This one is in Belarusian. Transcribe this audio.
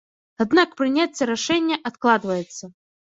Аднак прыняцце рашэння адкладваецца.